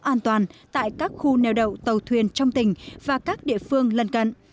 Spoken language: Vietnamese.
an toàn tại các khu neo đậu tàu thuyền trong tỉnh và các địa phương lân cận